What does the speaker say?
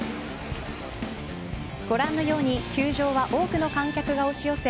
ご覧のように、球場は多くの観客が押し寄せ